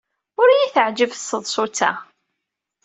Ur iyi-teɛjib tseḍsut-a.